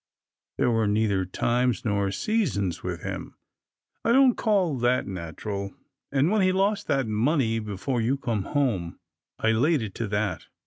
There were neither times nor seasons with him. I don't call that natural, and when he lost that money before you come home, I laid it to that.